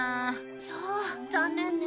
そう残念ね。